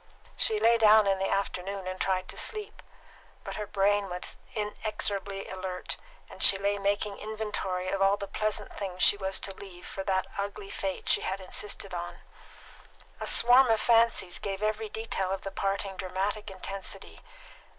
She lay down in the afternoon and tried to sleep; but her brain was inexorably alert, and she lay making inventory of all the pleasant things she was to leave for that ugly fate she had insisted on. A swarm of fancies gave every detail of the parting dramatic intensity.